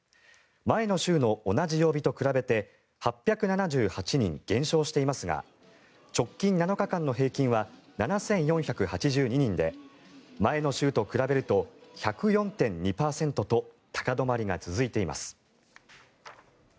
前の週の同じ曜日と比べて８７８人減少していますが直近７日間の平均は７４８２人で前の週と比べると１０４．２％と高止まりが続いています。